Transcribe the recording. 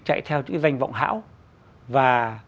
chạy theo những danh vọng hảo và